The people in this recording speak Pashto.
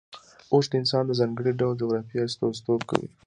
اوښ د افغانستان د ځانګړي ډول جغرافیه استازیتوب کوي.